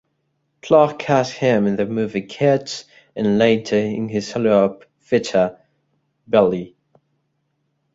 Clark cast him in the movie "Kids" and later in his follow-up feature, "Bully".